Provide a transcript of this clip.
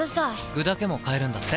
具だけも買えるんだって。